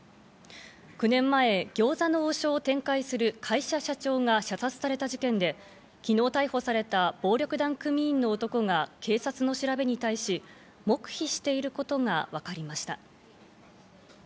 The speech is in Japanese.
９年前、餃子の王将を展開する会社社長が射殺された事件で、昨日逮捕された暴力団組員の男が警察の調べに対し、黙秘していることが分かりました。